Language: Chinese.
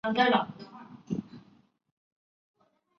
光叶娃儿藤为夹竹桃科娃儿藤属娃儿藤的变种。